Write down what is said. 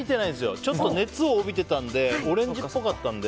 ちょっと熱を帯びてたのでオレンジっぽかったので。